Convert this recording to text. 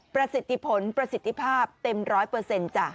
ประสิทธิพลประสิทธิภาพเต็ม๑๐๐จ้ะ